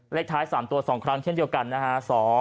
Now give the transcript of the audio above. เลขท้าย๓ตัว๒ครั้งเช่นเดียวกันนะฮะ